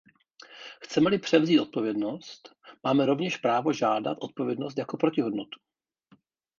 Chceme-li převzít odpovědnost, máme rovněž právo žádat odpovědnost jako protihodnotu.